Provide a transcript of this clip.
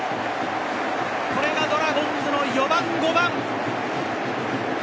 これがドラゴンズの４番・５番！